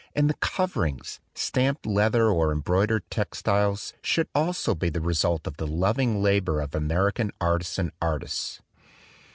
And the coverings, stamped leather or embroidered tex tiles, should also be the result of the loving labor of American artisan artists.